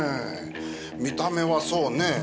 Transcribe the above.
見た目はそうね。